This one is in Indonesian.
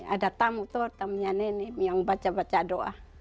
ada tamu tuh tamunya nenek yang baca baca doa